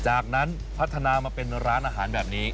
จากนั้นพัฒนามาเป็นร้านอาหารแบบนี้